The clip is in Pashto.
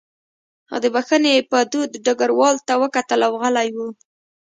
هغه د بښنې په دود ډګروال ته وکتل او غلی و